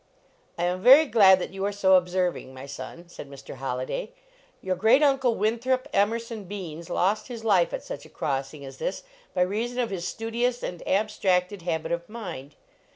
I am very glad that you are so observ ing, my son," said Mr. Holliday. "Your great uncle, Winthrop Emerson Beenes, lost his life at such a crossing as this by reason of his studious and abstracted habit of mind.